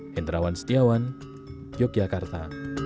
hendrawan setiawan yogyakarta